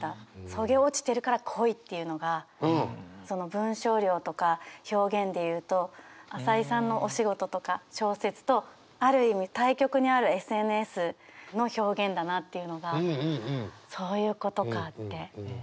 「削げ落ちてるから濃い」っていうのがその文章量とか表現で言うと朝井さんのお仕事とか小説とある意味対極にあるＳＮＳの表現だなっていうのがそういうことかって。